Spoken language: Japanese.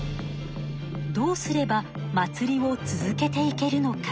どうすれば祭りを続けていけるのか。